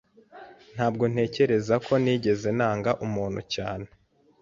Ntabwo ntekereza ko nigeze nanga umuntu cyane.